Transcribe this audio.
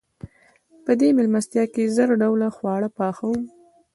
په دې مېلمستیا کې زر ډوله خواړه پاخه وو.